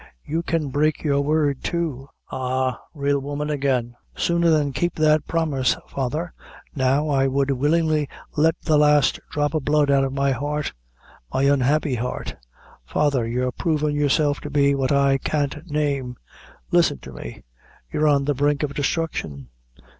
"You can break your word, too. Ah! real woman again." "Sooner than keep that promise, father, now, I would willingly let the last dhrop of blood out o' my heart my unhappy heart Father, you're provin' yourself to be what I can't name. Listen to me you're on the brink o' destruction.